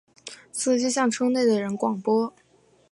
司机向车内的人广播